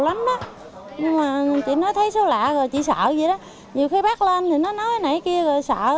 lắm đó nhưng mà chị nó thấy số lạ rồi chị sợ vậy đó nhiều khi bác lên thì nó nói nãy kia rồi sợ rồi